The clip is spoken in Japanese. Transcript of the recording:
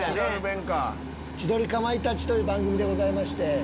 『千鳥かまいたち』という番組でございまして。